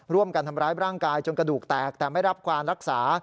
ร่วมกันทำร้ายร่างกายจนกระดูกแตกแต่ไม่รับการรักษา